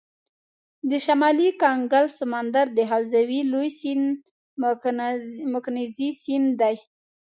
د شمالي کنګل سمندر د حوزې لوی سیند مکنزي سیند دی.